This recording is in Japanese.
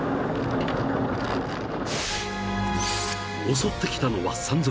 ［襲ってきたのは］